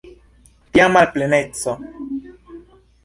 Tia malpleneco!